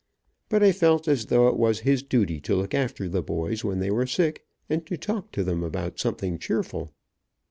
But I felt as though it was his duty to look after the boys when they were sick, and talk to them about something cheerful.